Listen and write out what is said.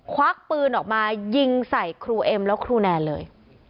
ควักปืนออกมายิงใส่ครูเอ็มแล้วครูแนนเลย